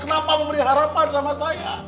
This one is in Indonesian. kenapa memberi harapan sama saya